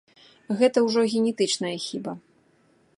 Гэта ўжо генетычная хіба.